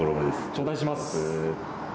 頂戴します。